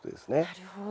なるほど。